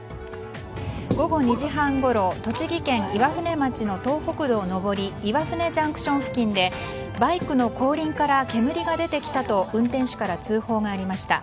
午後２時半ごろ栃木県岩舟町の東北道上り岩舟ＪＣＴ付近でバイクの後輪から煙が出てきたと運転手から通報がありました。